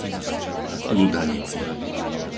Ludanice